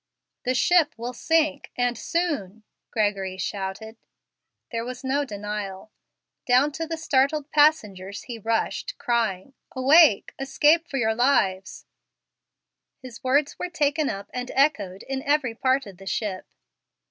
"The ship will sink, and soon," Gregory shouted. There was no denial. Down to the startled passengers he rushed, crying, "Awake! Escape for your lives!" His words were taken up and echoed in every part of the ship.